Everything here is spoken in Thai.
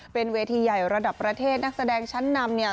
เป็นเวทีใหญ่ระดับประเทศนักแสดงชั้นนำเนี่ย